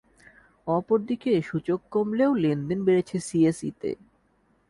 অপর দিকে সূচক কমলেও লেনদেন বেড়েছে সিএসইতে।